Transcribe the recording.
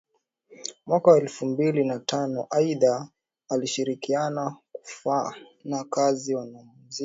mwaka wa elfu mbili na tano Aidha alishirikiana kufana kazi mwanamuziki mwenzake Bebe poa